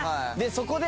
そこで。